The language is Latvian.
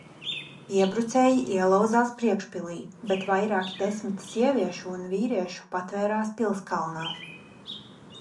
Iebrucēji ielauzās priekšpilī, bet vairāki desmiti sieviešu un vīriešu patvērās pilskalnā.